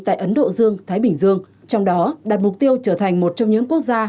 tại ấn độ dương thái bình dương trong đó đạt mục tiêu trở thành một trong những quốc gia